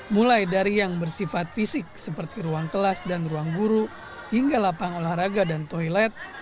mulai dari yang bersifat fisik seperti ruang kelas dan ruang guru hingga lapang olahraga dan toilet